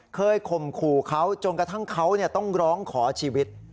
ข่มขู่เขาจนกระทั่งเขาต้องร้องขอชีวิต